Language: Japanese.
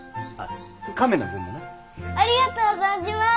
ありがとう存じます！